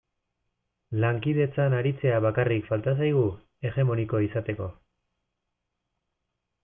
Lankidetzan aritzea bakarrik falta zaigu hegemoniko izateko.